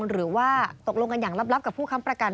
หรือว่าตกลงกันอย่างลับกับผู้ค้ำประกัน